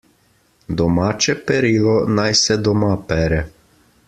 Domače perilo naj se doma pere.